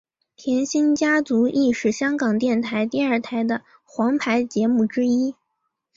甜心家族亦是香港电台第二台的皇牌节目之一。